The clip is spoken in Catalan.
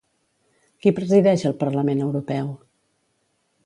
Qui presideix el Parlament Europeu?